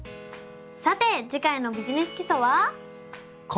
さて次回の「ビジネス基礎」は？